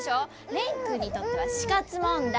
蓮君にとっては死活問題！